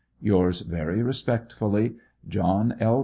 Yours Very Respectfully, JOHN L.